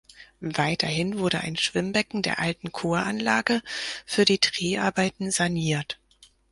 Weiterhin wurde ein Schwimmbecken der alten Kuranlage für die Dreharbeiten saniert.